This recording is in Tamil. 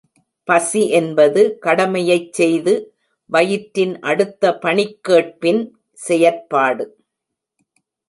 பசி என்பது கடமையைச் செய்து வயிற்றின் அடுத்த பணிக்கேட்பின் செயற்பாடு.